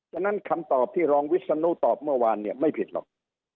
ฉะนั้นคำตอบที่รองวิศนุตอบเมื่อวานเนี่ยไม่ผิดหรอก